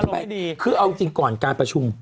ไม่ดีคือเอาจริงก่อนการประชุม